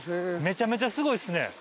めちゃめちゃすごいっすね。